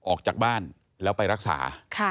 ออกจากบ้านแล้วไปรักษา